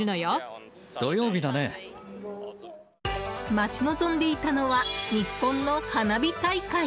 待ち望んでいたのは日本の花火大会。